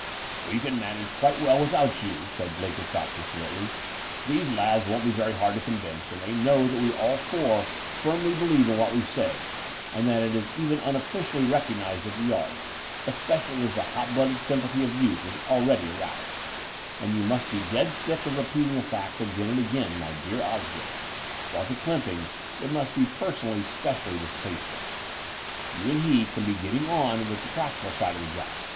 "We can manage quite well without you," said Blenkinsopp considerately. "These lads won't be very hard to convince when they know that we all four firmly believe in what we say, and that it is even unofficially recognized at the Yard, e^edally as the hot blooded sympathy of youth is already aroused ; and you must be dead sick of re peating the facts again and again, my dear Osgood, while to Clymping it must be personally specially distasteful. You and he can be getting on with 264 The Door of the Unreal the practical side of the job.